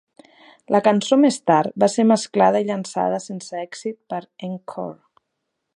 La cançó més tard va ser mesclada i llançada sense èxit per Encore!